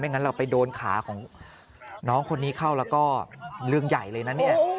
งั้นเราไปโดนขาของน้องคนนี้เข้าแล้วก็เรื่องใหญ่เลยนะเนี่ย